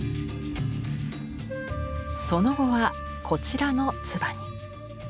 その後はこちらの鐔に。